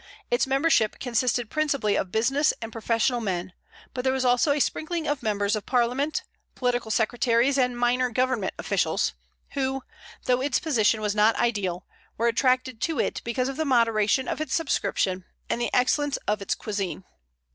Its membership consisted principally of business and professional men, but there was also a sprinkling of members of Parliament, political secretaries, and minor government officials, who, though its position was not ideal, were attracted to it because of the moderation of its subscription and the excellence of its cuisine.